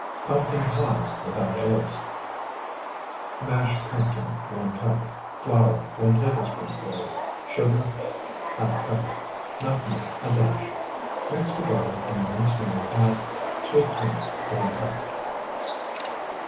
PUMPKIN PIES WITHOUT EGGS Mashed pumpkin, 1 cup. Flour, 1 tablespoonful. Sugar, ½ cup. Nutmeg, a dash. Mix together, and when smooth, add Sweet cream, 1 cup.